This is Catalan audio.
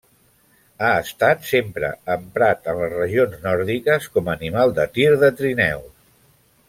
Ha estat sempre emprat en les regions nòrdiques com a animal de tir de trineus.